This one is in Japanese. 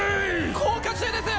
降下中です。